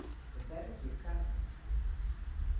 Ferbergje karren.